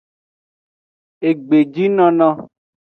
Egbejinono.